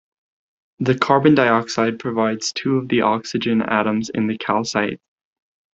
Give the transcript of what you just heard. The carbon dioxide provides two of the oxygen atoms in the calcite.